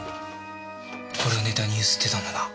これをネタに強請ってたんだな。